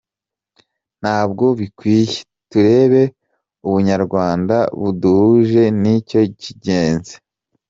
Ntabwo bikwiye, turebe ubunyarwanda buduhuje nicyo cy’ingenzi.